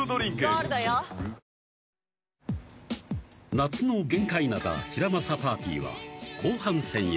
夏の玄界灘ヒラマサパーティーは後半戦へ